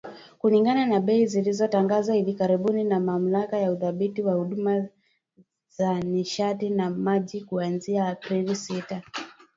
Kulingana na bei zilizotangazwa hivi karibuni na Mamlaka ya Udhibiti wa Huduma za Nishati na Maji kuanzia Aprili sita